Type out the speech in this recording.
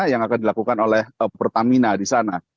yang akan dilakukan oleh pertamina di sana